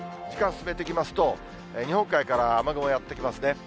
時間進めていきますと、日本海から雨雲やって来ますね。